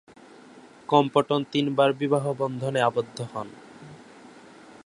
Compton তিনবার বিবাহ-বন্ধনে আবদ্ধ হন।